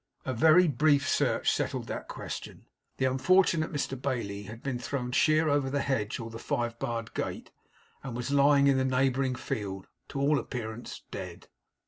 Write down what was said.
A very brief search settled that question. The unfortunate Mr Bailey had been thrown sheer over the hedge or the five barred gate; and was lying in the neighbouring field, to all appearance dead.